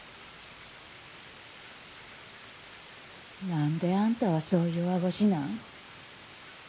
何であんたはそう弱腰なん？